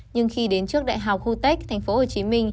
nhưng khi đến trước đại học hutech tp hcm